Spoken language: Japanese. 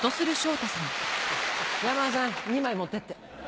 山田さん２枚持ってって。